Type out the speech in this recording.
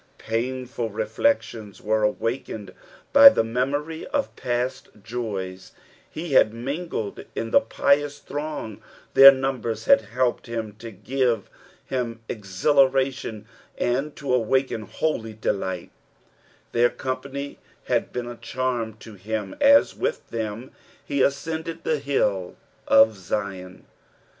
Painful reflections were awakened by the memory of past joya ; he had mingled in the pious throng, their numbers had helped to give him exhilaration ana to awaken holy delight, their company had been a charm to him as with them he ascended the bill of Zion.